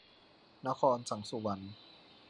นคร สังสุวรรณ